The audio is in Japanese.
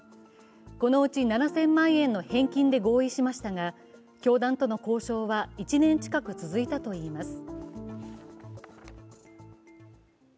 このうち７０００万円の返金で合意しましたが教団との交渉は１年近く続いたといいます。